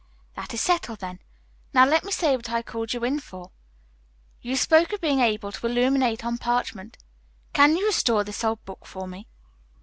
"That is settled, then. Now let me say what I called you in for. You spoke of being able to illuminate on parchment. Can you restore this old book for me?"